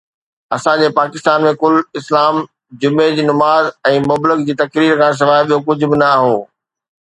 اسان جي پاڪستان ۾ ڪل اسلام جمعي جي نماز ۽ مبلغ جي تقرير کان سواءِ ٻيو ڪجهه به نه هو